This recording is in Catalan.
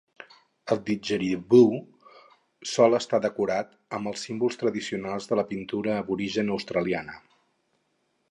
El didjeridú sol estar decorat amb els símbols tradicionals de la pintura aborigen australiana.